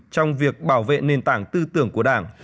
trong việc bảo vệ nền tảng tư tưởng của đảng